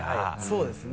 そうですね。